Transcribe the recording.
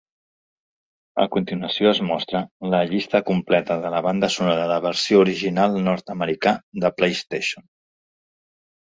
A continuació es mostra la llista completa de la banda sonora de la versió original nord-americà de PlayStation.